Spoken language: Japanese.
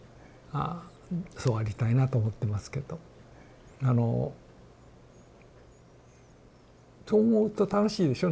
そうありたいなと思ってますけどあのそう思うと楽しいでしょ？